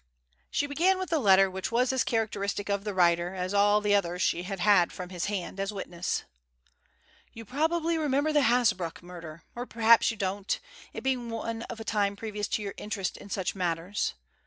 She began with the letter which was as characteristic of the writer as all the others she had had from his hand; as witness: You probably remember the Hasbrouck murder, or, perhaps, you don't; it being one of a time previous to your interest in such matters.